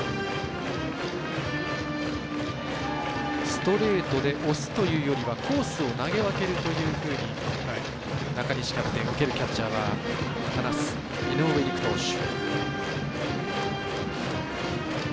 ストレートで押すというよりはコースを投げ分けると中西キャプテン受けるキャッチャーは話す井上陸投手。